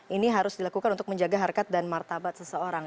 ini harus dilakukan untuk menjaga harkat dan martabat seseorang